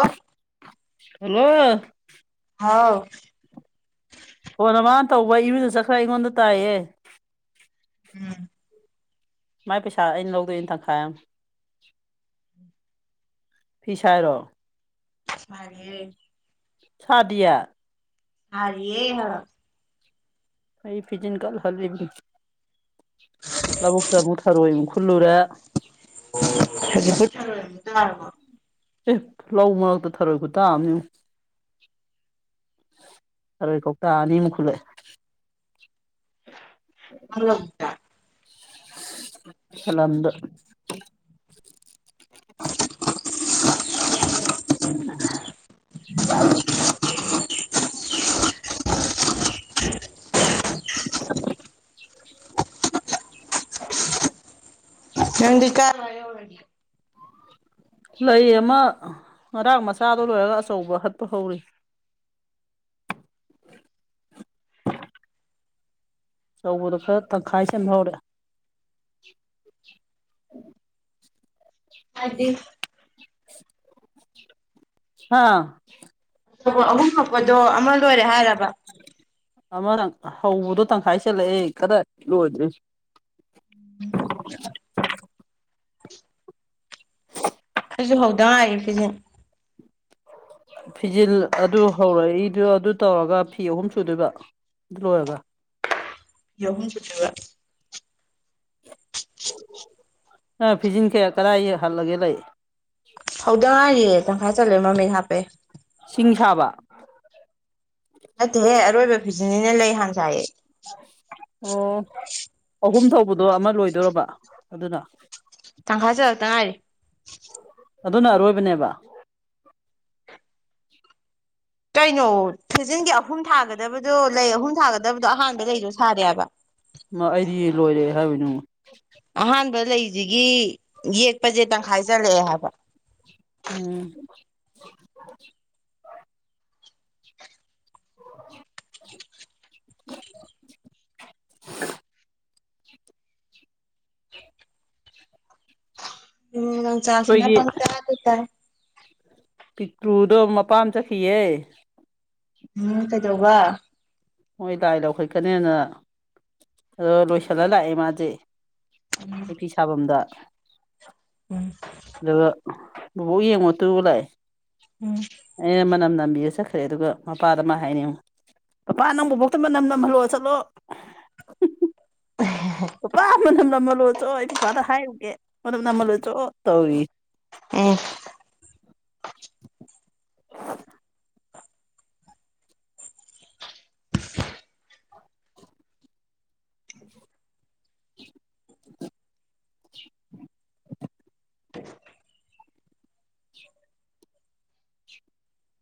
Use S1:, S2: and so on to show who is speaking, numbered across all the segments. S1: ꯑꯣ
S2: ꯍꯜꯂꯣ
S1: ꯍꯥꯎ
S2: ꯐꯣꯟꯅ ꯃꯥꯅ ꯇꯧꯕ ꯏꯔꯨꯖ ꯆꯠꯈ꯭ꯔ ꯑꯩꯉꯣꯟꯗ ꯇꯥꯏꯌꯦ
S1: ꯎꯝ
S2: ꯃꯥꯏ ꯄꯩꯁꯥ ꯑꯩꯅ ꯂꯧꯗꯣꯏꯏꯅꯦ ꯇꯪꯈꯥꯏ ꯑꯃ ꯐꯤ ꯁꯥꯏꯔꯣ
S1: [unintelligible]
S2: ꯁꯗꯤꯌꯦ
S1: ꯑꯔꯤꯑꯦ ꯍꯥꯢꯕ
S2: ꯑꯩ ꯐꯤꯖꯤꯟ ꯀꯜ ꯍꯜꯂꯤꯕꯤ
S1: [inaudible]
S2: ꯂꯕꯨꯛꯇ ꯑꯃꯨꯛ ꯊꯥꯔꯣꯏꯃꯨꯛ ꯈꯨꯜꯂꯨꯔꯦ
S1: [unintelligible]
S2: ꯑꯦ ꯂꯧ ꯃꯔꯛꯇ ꯊꯔꯣꯏ ꯈꯨꯇꯥꯥꯑꯃꯅꯤ ꯊꯔꯣꯏ ꯀꯧꯇꯥ ꯑꯅꯤꯃꯨꯛ ꯈꯨꯜꯂꯛꯑꯦ
S1: [unintelligible]
S2: [inaudible] ꯁꯂꯝꯗ ꯎꯝ
S1: [inaudible]
S2: ꯎꯝ [unintelligible]
S1: ꯍꯗꯤ ꯀꯥꯔꯋꯥ
S2: ꯂꯩ ꯑꯃ ꯉꯔꯥꯡ ꯃꯆꯥꯗ ꯂꯣꯏꯔꯒ ꯑꯆꯧꯕ ꯍꯠꯄ ꯍꯧꯔꯤ ꯑꯆꯧꯕꯗꯣ ꯈꯔ ꯇꯪꯈꯥꯏ ꯁꯦꯝꯕ ꯍꯧꯔꯦ
S1: ꯍꯥꯏꯗꯤ
S2: ꯍꯥꯥ
S1: ꯑꯣ ꯑꯍꯨꯝ ꯊꯣꯛꯛꯄꯗꯣ ꯑꯃ ꯂꯣꯏꯔꯦ ꯍꯥꯏꯔꯕ
S2: ꯑꯃ ꯍꯧꯕꯗꯣ ꯇꯪꯈꯥꯏ ꯆꯠꯂꯛꯑꯦ ꯀꯗꯥꯏ ꯂꯣꯏꯗ꯭ꯔꯤ
S1: ꯎꯝ [inaudible] ꯑꯗꯨꯁꯨ ꯍꯧꯗ ꯉꯥꯏꯔꯤ ꯐꯁꯦ
S2: ꯐꯤꯖꯤꯜ ꯑꯗꯨ ꯍꯧꯔꯛꯏꯗꯨꯣ ꯑꯗꯨ ꯇꯧꯔꯒ ꯐꯤ ꯑꯍꯨꯝ ꯁꯨꯗꯣꯏꯕ ꯏꯔꯣꯋꯒ
S1: ꯌꯍꯨꯝ ꯆꯊꯒ
S2: ꯑ ꯐꯤꯖꯤꯟ ꯀꯌꯥ ꯀꯗꯥꯏ ꯍꯜꯂꯒꯦ ꯂꯩ
S1: ꯍꯧꯗ ꯉꯥꯏꯔꯤꯌꯦ ꯇꯪꯈꯥꯏ ꯆꯠꯂꯦ ꯃꯃꯤꯡ ꯍꯥꯞꯄꯦ
S2: ꯁꯤꯡ ꯁꯥꯕ
S1: ꯅꯠꯇꯦꯍꯦ ꯑꯔꯣꯏꯕ ꯐꯤꯖꯅꯤꯅ ꯂꯩ ꯍꯥꯡꯁꯥꯏꯌꯦ
S2: ꯑꯣ ꯑꯍꯨꯝ ꯊꯧꯕꯗꯣ ꯑꯃ ꯂꯣꯏꯗꯣꯏꯔꯕ ꯑꯗꯨꯅ
S1: ꯇꯪꯈꯥ ꯆꯂꯛꯇ ꯉꯥꯏꯔꯦ
S2: ꯑꯗꯨꯅ ꯑꯔꯣꯏꯕꯅꯦꯕ
S1: ꯀꯩꯅꯣ ꯊꯤꯖꯤꯟꯒꯤ ꯑꯍꯨꯝ ꯊꯥꯒꯗꯕꯗꯣ ꯂꯩ ꯑꯍꯨꯝ ꯊꯥꯒꯗꯕꯗꯣ ꯑꯍꯥꯟꯕ ꯂꯩꯗꯣ ꯁꯥꯔꯦꯕ
S2: ꯃꯥ ꯑꯩꯗꯤ ꯂꯣꯏꯔꯦ ꯍꯥꯏꯕꯅꯤ
S1: ꯑꯍꯥꯟꯕ ꯂꯩꯁꯤꯒꯤ ꯌꯦꯛꯄꯁꯦ ꯇꯪꯈꯥꯏ ꯆꯠꯂꯛꯑꯦ ꯍꯥꯏꯕ
S2: ꯎꯝ [inaudible] [inaudible] [unintelligible]
S1: ꯎꯝꯪ ꯆꯥꯁꯅ
S2: ꯑꯩꯈꯣꯏꯒꯤ
S1: ꯄꯪ ꯆꯥꯗ ꯇ
S2: ꯄꯤꯛꯇ꯭ꯔꯨꯗꯣ ꯃꯄꯥꯝ ꯆꯠꯈꯤꯌꯦ
S1: ꯎꯝ ꯀꯩꯗꯧꯕ
S2: ꯃꯣꯏ ꯂꯥꯏ ꯂꯧꯈꯠꯀꯅꯦꯅ ꯑꯗꯣ ꯂꯣꯏꯁꯤꯜꯂ ꯂꯥꯛꯑꯦ ꯃꯥꯗꯤ ꯑꯩꯄꯤ ꯁꯥꯐꯝꯗ
S1: ꯎꯝ
S2: ꯑꯗꯨꯒ ꯕꯣꯛ ꯌꯦꯡꯉꯣꯠꯇ ꯂꯥꯛꯑꯦ
S1: ꯎꯝ
S2: ꯑꯩꯅ ꯃꯅꯝ ꯅꯝꯕꯤꯔ ꯆꯠꯈ꯭ꯔꯦ ꯑꯗꯨꯒ ꯃꯄꯥꯗ ꯃꯥ ꯍꯥꯏꯅꯤꯡꯉ ꯄꯥꯄꯥ ꯅꯪ ꯕꯨꯕꯣꯛꯇ ꯃꯅꯝ ꯅꯝꯍꯜꯂꯣ ꯆꯠꯂꯣ ꯄꯄꯥ ꯃꯅꯝ ꯅꯝꯃꯜꯂꯣ ꯆꯣ ꯑꯩ ꯄꯨꯄꯥꯗ ꯍꯥꯏꯔꯨꯒꯦ ꯃꯅꯝ ꯅꯝꯃꯜꯂꯣ ꯆꯣ ꯇꯧꯏ
S1: ꯎꯝ
S2: [unintelligible] [unintelligible] [unintelligible]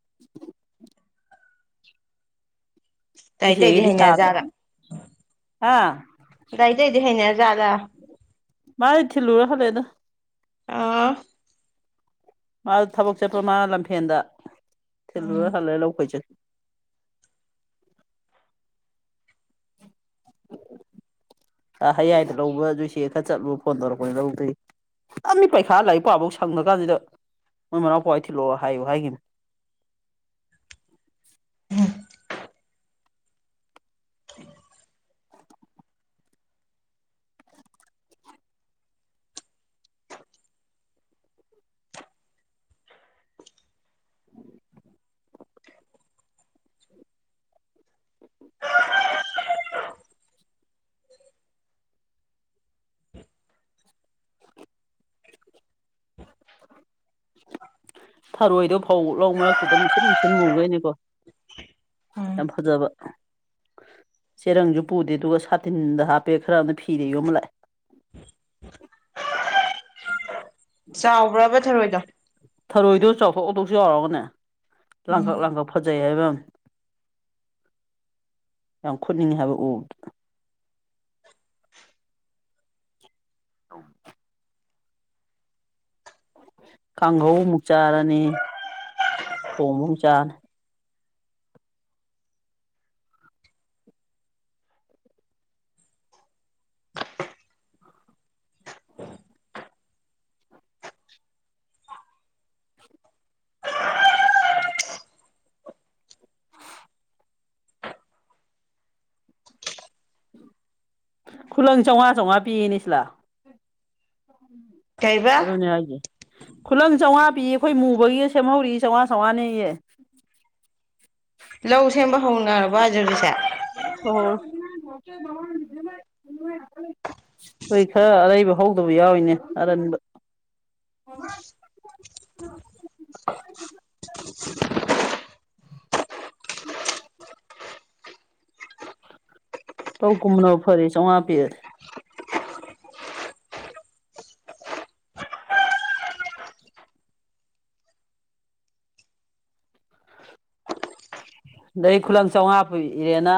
S2: [inaudible] ꯅꯣꯏ
S1: ꯇꯥꯏ ꯇꯩꯗꯤ
S2: ꯆꯦꯒꯤꯗꯤ ꯁꯥꯗ꯭ꯔꯦ
S1: ꯍꯩꯅꯔꯖꯥꯠꯂꯥ
S2: ꯍꯥ
S1: ꯂꯩꯏꯗꯗꯤ ꯍꯩꯅꯖꯥꯂ
S2: ꯃꯥ ꯏ ꯊꯤ ꯂꯨꯔ ꯍꯂꯦ ꯑꯗꯨ
S1: ꯑꯥ
S2: ꯃꯥ ꯊꯕꯛ ꯆꯠꯄ ꯃꯥ ꯂꯝꯐꯦꯟꯗ ꯊꯤꯜꯂꯨꯔ
S1: ꯎꯝ
S2: ꯍꯜꯂ ꯂꯧ ꯈꯣꯏꯆ ꯑ ꯍꯌꯥꯏꯗ ꯂꯧꯕ ꯑꯗꯨꯁꯦ ꯈꯔ ꯆꯠꯂꯨ ꯐꯣꯟ ꯇꯧꯔꯛꯄꯅꯤ ꯂꯧꯗꯣꯏ ꯑ ꯃꯤ ꯄꯩꯈꯥ ꯂꯥꯏꯔꯤꯛ ꯄꯥꯐꯥꯎ ꯁꯪꯗ ꯀꯥꯟꯁꯤꯗ ꯃꯣꯏ ꯃꯅꯥꯎꯄꯥꯍꯣꯏ ꯊꯤꯜꯂꯣ ꯍꯥꯏꯌꯨ ꯍꯥꯏꯈꯤꯕꯅꯤ
S1: ꯎꯝ [unintelligible] [unintelligible]
S2: ꯊꯔꯣꯏꯗꯣ ꯐꯧ ꯂꯧ ꯃꯔꯛꯇꯨꯗ ꯃꯨꯁꯤꯟ ꯃꯨꯁꯤꯟ ꯃꯨꯈꯩꯅꯤꯀꯣ
S1: ꯎꯝ
S2: ꯌꯥꯝ ꯐꯖꯕ ꯆꯦꯔꯪꯁꯨ ꯄꯨꯗꯦ ꯑꯗꯨꯒ ꯁꯥꯇꯤꯟꯗ ꯍꯥꯞꯄꯦ ꯈꯔꯅ ꯐꯤꯔꯦ ꯌꯣꯝꯃ ꯂꯑꯦ
S1: ꯆꯥꯎꯕ꯭ꯔꯕ ꯊꯔꯣꯏꯗꯣ
S2: ꯊꯔꯣꯏꯗꯣ ꯆꯥꯎꯊꯣꯛ ꯆꯥꯎꯊꯣꯛ ꯆꯥꯎꯔꯒꯅꯦ ꯂꯥꯡꯀꯛ
S1: ꯎꯝ
S2: ꯂꯥꯡꯀꯛ ꯐꯖꯩ ꯍꯥꯏꯕ ꯌꯥꯝ ꯌꯥꯝ ꯈꯨꯟꯅꯤꯡꯉꯤ ꯍꯥꯏꯕ ꯎꯕꯗ [unintelligible] ꯀꯥꯡꯍꯧ ꯑꯃꯨꯛ ꯆꯥꯔꯅꯤ ꯊꯣꯡꯕ ꯑꯃꯨꯛ ꯆꯥꯔꯅꯤ ꯈꯨꯂꯪ ꯆꯥꯝꯃꯉꯥ ꯆꯝꯃꯉꯥ ꯄꯤꯅꯤ ꯁꯤꯂꯥ
S1: ꯀꯩꯕ
S2: ꯑꯗꯨꯅꯦ ꯍꯥꯏꯁꯦ ꯈꯨꯂꯪ ꯆꯥꯝꯃꯉꯥ ꯄꯤꯌꯦ ꯑꯩꯈꯣꯏ ꯃꯨꯕꯒꯤ ꯁꯦꯝꯍꯧꯔꯤ ꯆꯥꯝꯃꯉꯥ ꯆꯥꯝꯃꯉꯥꯅꯦꯌꯦ
S1: ꯂꯧ ꯁꯦꯝꯕ ꯍꯧꯅꯔꯕ ꯍꯧꯖ ꯍꯧꯁꯦ
S2: [unintelligible] [inaudible] [inaudible] ꯍꯣꯏ ꯈꯔ ꯑꯔꯩꯕ ꯍꯧꯗꯕ ꯌꯥꯎꯔꯤꯅꯦ ꯑꯔꯟꯕ [unintelligible] ꯇꯧ ꯀꯨꯝꯅꯕꯧ ꯐꯔ ꯆꯥꯝꯃꯉꯥ ꯄꯤꯔꯦ ꯑꯗꯩ ꯈꯨꯂꯪ ꯆꯧꯉꯥ ꯄꯤꯔꯦꯅ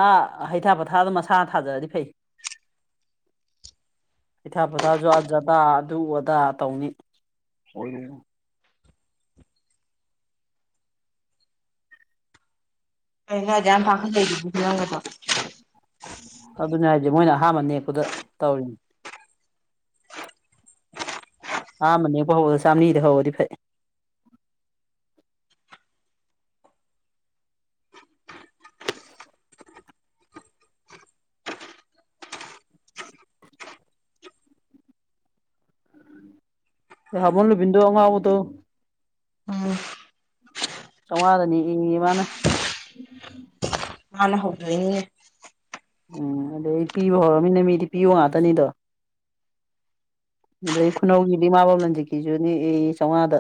S2: ꯍꯩꯊꯥ ꯄꯣꯠꯊꯥꯗꯨ ꯃꯁꯥꯅ ꯊꯥꯖꯔꯗꯤ ꯐꯩ [unintelligible] ꯍꯩꯊꯥ ꯄꯣꯊꯥꯁꯨ ꯑꯥꯖꯗꯥ ꯑꯗꯨ ꯑꯗꯥ ꯇꯧꯅꯤ ꯍꯣꯏꯔꯣꯡ
S1: ꯈꯔꯗꯤ ꯌꯥꯝ ꯄꯥꯈꯠꯂꯛꯔꯤꯗꯨꯔꯪꯒꯗꯣ
S2: ꯑꯗꯨꯅꯦ ꯍꯥꯏꯁꯦ ꯃꯣꯏꯅ ꯑꯍꯥꯟꯕ ꯅꯦꯛꯄꯗ ꯇꯧꯔꯤꯅꯦ ꯑꯍꯥꯟꯕ ꯅꯦꯛꯄ ꯍꯧꯕꯔꯣ ꯆꯥꯝꯃꯔꯤꯗ ꯍꯧꯔꯗꯤ ꯐꯩ ꯍꯥꯃꯣꯝ ꯔꯣꯕꯤꯟꯗ꯭ꯔꯣ ꯑꯉꯥꯎꯕꯗꯣ
S1: ꯎꯝ
S2: ꯆꯩꯉꯥꯗꯅꯤ ꯌꯦꯡꯉꯤ ꯃꯥꯅ
S1: ꯃꯥꯥꯅ ꯍꯧꯗꯣꯏꯅꯤꯅꯦ
S2: ꯎꯝ ꯑꯗꯩ ꯄꯤꯕ ꯍꯧꯔꯃꯤꯅ ꯃꯤꯗꯤ ꯄꯤꯌꯨ ꯉꯥꯛꯇꯅꯤꯗꯣ ꯑꯩ ꯈꯨꯅꯧꯒꯤꯗꯤꯃꯥꯕꯝ ꯂꯟꯖꯤꯠꯀꯤꯁꯨꯅꯦ ꯑꯦ ꯆꯥꯝꯃꯉꯥꯗ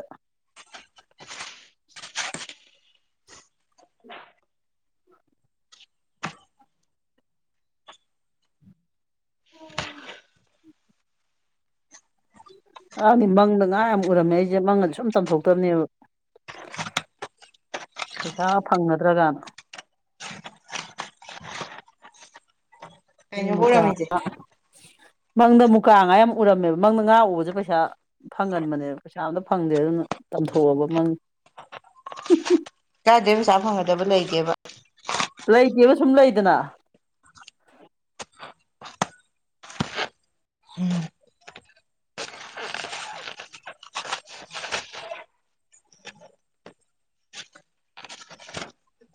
S2: [unintelligible] [unintelligible] ꯃꯪꯗ ꯉꯥ ꯌꯥꯝ ꯎꯔꯝꯃꯦ ꯑꯩꯁꯦ ꯃꯪꯒ ꯁꯨꯝ ꯇꯝꯊꯣꯛꯇꯕꯅꯦꯕ ꯄꯩꯁꯥ ꯐꯪꯒꯗ꯭ꯔꯒꯅ [unintelligible]
S1: ꯀꯩꯅꯣꯕꯨ
S2: ꯃꯨꯀꯥ
S1: ꯑꯣꯏꯔꯝꯃꯤꯖꯦ
S2: ꯉꯥ ꯃꯪꯗ ꯃꯨꯀꯥ ꯉꯥ ꯌꯥꯝ ꯎꯔꯝꯃꯦꯕ ꯃꯪꯗ ꯉꯥ ꯎꯕꯁꯨ ꯄꯩꯁꯥ ꯐꯪꯍꯟꯕꯅꯦꯕ ꯄꯩꯁꯥ ꯑꯝꯇ ꯐꯪꯗꯦ ꯑꯗꯨꯅ ꯇꯝꯊꯣꯛꯑꯕ ꯃꯪ
S1: ꯀꯗ ꯄꯩꯁꯥ ꯐꯪꯒꯗꯕ ꯂꯩꯇꯦꯕ
S2: ꯂꯩꯇꯦꯕ ꯁꯨꯝ ꯂꯩꯗꯅ
S1: ꯎꯝ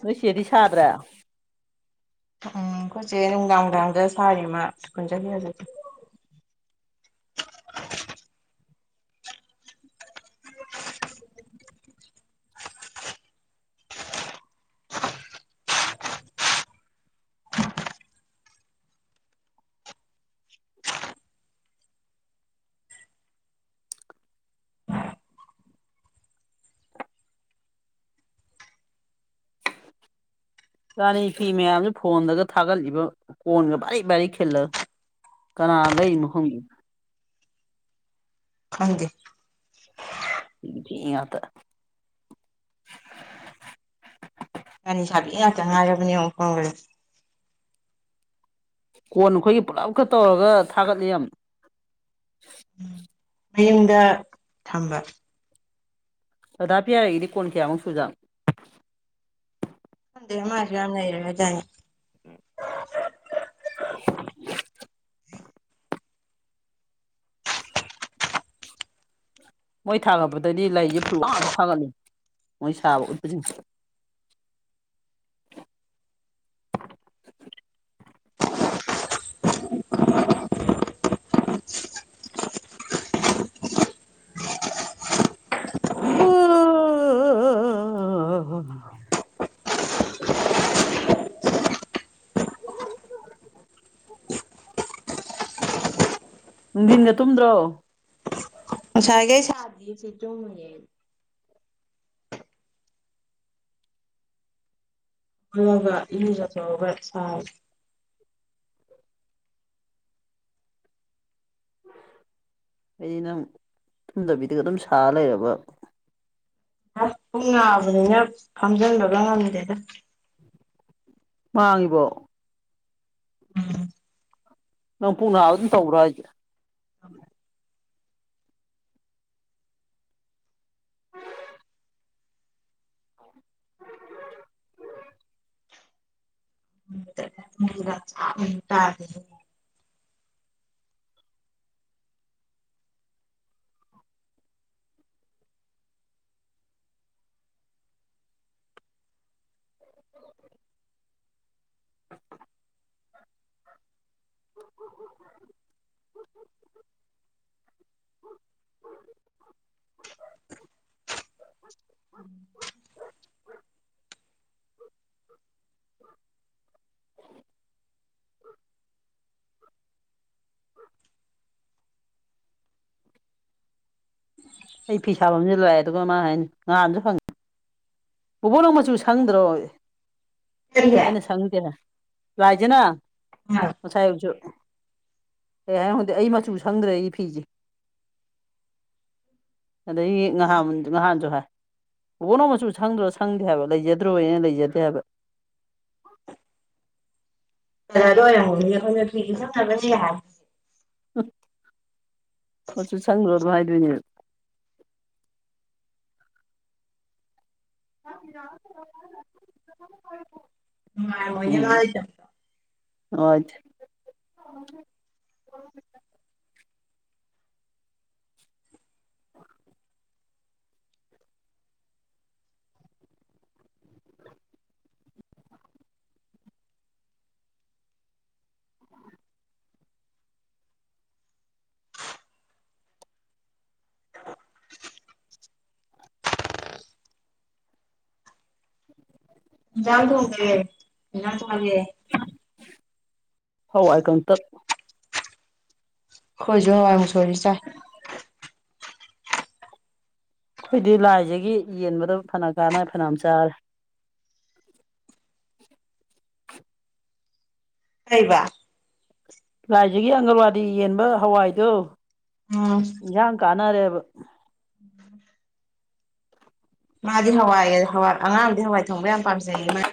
S2: ꯅꯣꯏ ꯆꯦꯗꯤ ꯁꯥꯗ꯭ꯔꯦ
S1: ꯎꯝ ꯑꯩꯈꯣꯏ ꯆꯦ ꯅꯨꯡꯗꯥꯡ ꯅꯨꯡꯗꯥꯡꯗ ꯁꯥꯔꯤꯃꯥ ꯁ꯭ꯀꯨꯜ ꯆꯠꯈꯤ ꯍꯧꯖꯤꯛꯇꯤ
S2: ꯔꯥꯅꯤ ꯐꯤ ꯃꯌꯥꯝꯁꯨ ꯐꯣꯟꯗꯒ ꯊꯥꯒꯠꯂꯤꯕ ꯀꯣꯟꯒ ꯚꯥꯔꯤ ꯚꯥꯔꯤ ꯈꯤꯜꯂꯒ ꯀꯅꯥ ꯂꯩ ꯃꯈꯐꯝꯒꯤꯦ
S1: ꯈꯪꯗꯦ
S2: ꯐꯤꯒꯤ ꯐꯤ ꯉꯥꯛꯇꯥ
S1: [unintelligible] ꯂꯩꯁꯥꯕꯤ ꯉꯥꯛꯇ ꯉꯥꯏꯔꯕꯅꯦ [unintelligible]
S2: ꯀꯣꯟ ꯑꯩꯈꯣꯏꯒꯤ ꯄꯨꯂꯞꯈ ꯇꯧꯔꯒ ꯊꯥꯒꯠꯂꯤ ꯌꯥꯝ
S1: ꯃꯌꯨꯝꯗ ꯊꯝꯕ
S2: ꯑꯗꯥꯥꯄꯤꯤꯔ ꯑꯩꯗꯤ ꯀꯣꯟ ꯀꯌꯥꯨ ꯁꯨꯖꯥꯡ
S1: ꯈꯪꯗꯦ ꯃꯥꯁꯨ ꯌꯥꯝ ꯅꯩꯔꯦꯗꯥꯏꯅꯦ
S2: ꯎꯝ [unintelligible] ꯃꯣꯏ ꯊꯥꯒꯠꯄꯗꯗꯤ ꯂꯩꯁꯦ ꯐꯨꯜꯋꯥꯛ ꯉꯥꯛꯇꯥ ꯊꯥꯒꯠꯂꯤ ꯃꯣꯏ ꯁꯥꯕ ꯎꯠꯄꯁꯤꯡꯁꯤ [unintelligible] ꯅꯨꯡꯊꯤꯟꯒ ꯇꯨꯝꯗ꯭ꯔꯣ
S1: ꯉꯁꯥꯏꯈꯩ ꯁꯥꯗꯦꯌꯦ ꯐꯤ ꯇꯨꯝꯃꯨꯏꯅꯦ ꯑꯩ [unintelligible] ꯒ ꯏꯔꯨꯖꯊꯣꯛꯑꯒ ꯁꯥꯔꯦ
S2: ꯑꯩꯗꯤ ꯅꯪ ꯇꯨꯝꯗꯕꯤꯗꯒ ꯑꯗꯨꯝ ꯁꯥꯔ ꯂꯩꯔꯕ
S1: ꯄꯨꯡ ꯅꯥꯕꯅꯤꯅ ꯐꯝꯖꯤꯟꯕꯕ ꯉꯝꯗꯦꯗ
S2: ꯃꯥꯡꯉꯤꯕꯣ
S1: ꯎꯝ
S2: ꯅꯪ ꯄꯨꯡ ꯅꯥꯕ ꯑꯗꯨꯝ ꯇꯧꯕ꯭ꯔꯣ ꯍꯥꯏꯁꯦ
S1: [unintelligible]
S2: ꯎ
S1: ꯍ ꯎ
S2: [unintelligible] [unintelligible] [inaudible] [inaudible] [unintelligible] [inaudible] [inaudible] [inaudible] [inaudible] ꯑꯩ ꯐ ꯁꯥꯥꯐꯝꯝꯁꯨ ꯂꯥꯛꯑꯦ ꯑꯗꯨꯒ ꯃꯥ ꯍꯥꯏꯅ ꯉꯥꯟꯁꯨ ꯐꯪꯉꯦ ꯐꯨꯠꯕꯣꯜ ꯃꯆꯨ ꯁꯪꯗ꯭ꯔꯣ
S1: ꯀꯩꯅꯣꯗ
S2: ꯑꯩꯅ ꯁꯪꯗꯦ ꯂꯥꯏꯖꯥꯅ ꯉꯁꯥꯏꯌꯨꯁꯨ ꯀꯩ ꯍꯥꯏꯔ ꯈꯪꯗꯦ ꯑꯩ ꯃꯆꯨ ꯁꯪꯗ꯭ꯔꯦ ꯑꯩ ꯐꯤꯁꯦ ꯑꯗꯒꯤ ꯉꯍꯥ ꯉꯍꯥꯟꯁꯨ ꯍꯥꯏ ꯀꯣ ꯅꯣꯡ ꯃꯆꯨ ꯁꯪꯗ꯭ꯔꯣ ꯁꯪꯗꯦ ꯍꯥꯏꯕ ꯂꯩꯖꯗ꯭ꯔꯣ ꯑꯩꯅ ꯂꯩꯖꯗꯦ ꯍꯥꯏꯕ
S1: ꯑꯗꯨ ꯑꯣꯏꯔꯝꯍꯧꯅꯤꯅꯦ ꯑꯩꯈꯣꯏꯅ ꯐꯤꯒꯤ ꯁꯝꯅꯔꯁꯨ ꯌꯥ ꯍꯥꯏꯔꯦ
S2: [unintelligible] ꯃꯆꯨ ꯁꯪꯈ꯭ꯔꯣꯁꯨ ꯍꯥꯏꯗꯣꯏꯅꯦ [inaudible] [inaudible]
S1: ꯍ ꯃ ꯃꯥ ꯆ
S2: ꯍꯣꯏ [unintelligible]
S1: ꯌꯥꯝ ꯊꯣꯡꯒꯦ ꯏꯝ ꯊꯔꯒꯦ
S2: ꯍꯥꯎꯥꯏꯀꯪ ꯇ
S1: ꯑꯩꯈꯣꯏꯁꯨ ꯍꯋꯥꯏ ꯃꯨꯁꯣꯔꯤ ꯆꯥꯏ
S2: ꯑꯩꯈꯣꯏꯗꯤ ꯂꯥꯏꯁꯤꯒꯤ ꯌꯦꯟꯕꯗ ꯐꯅ ꯀꯥꯟꯅ ꯐꯅꯌꯥꯝ ꯆꯥꯔꯦ
S1: ꯀꯩꯕ
S2: ꯂꯥꯏꯁꯤꯒꯤ ꯑꯪꯒꯜꯋꯥꯗꯤ ꯌꯦꯟꯕ ꯍꯋꯥꯏꯗꯨꯣ
S1: ꯎꯝ
S2: ꯏꯟꯁꯥꯡ ꯀꯥꯟꯅꯔꯦꯕ
S1: [inaudible] ꯃꯥꯗꯤ ꯍꯋꯥꯏ ꯑꯉꯥꯡꯗꯤ ꯍꯋꯥꯏ ꯊꯣꯡꯕ ꯌꯥꯝ ꯄꯥꯝꯖꯩꯌꯦ ꯃꯥ